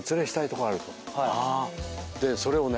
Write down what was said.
それをね